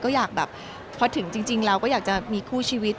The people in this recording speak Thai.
ก็อยากแบบพอถึงจริงเราก็อยากจะมีคู่ชีวิต